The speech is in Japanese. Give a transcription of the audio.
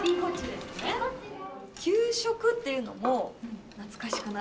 給食っていうのも懐かしくない？